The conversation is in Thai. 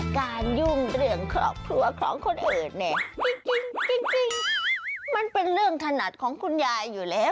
ยุ่งเรื่องครอบครัวของคนอื่นเนี่ยจริงมันเป็นเรื่องถนัดของคุณยายอยู่แล้ว